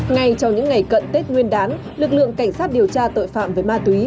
ngay trong những ngày cận tết nguyên đán lực lượng cảnh sát điều tra tội phạm về ma túy